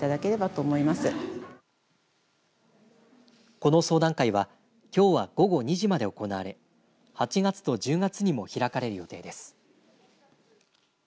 この相談会はきょうは午後２時まで行われ８月と１０月にも開かれる予定です。